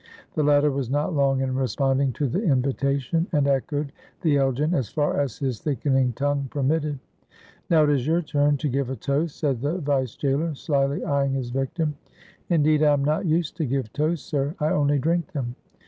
The latter was not long in responding to the invitation, and echoed the "Eljen!" as far as his thickening tongue permitted. "Now it is your turn to give a toast," said the vice jailer, slyly eying his victim. "Indeed, I am not used to give toasts, sir; I only drink them."